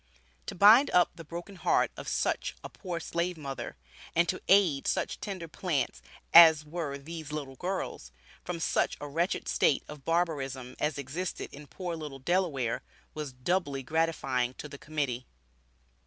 To bind up the broken heart of such a poor slave mother, and to aid such tender plants as were these little girls, from such a wretched state of barbarism as existed in poor little Delaware, was doubly gratifying to the Committee.